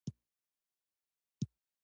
ایران د کاغذ تولید هم کوي.